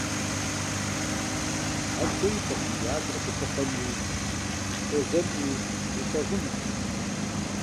Ар хуейтэкъым и адэр къилъыхъуэнуи, хуэзэнуи, илъэгъунуи.